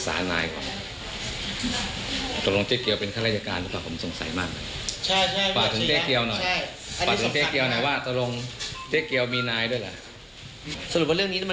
วัน๓๐ล้านนี้จริงแล้วเราก็แชร์ข้อมูลกันอยู่ตลอดเวลาแล้วนะครับ